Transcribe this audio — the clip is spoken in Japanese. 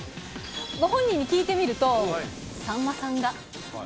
ご本人に聞いてみると、さんまさんが。